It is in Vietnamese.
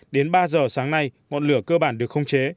đến ba h sáng nay ngọn lửa cơ bản được khống chế